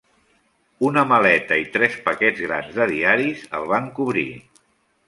Una maleta i tres paquets grans de diaris el van cobrir.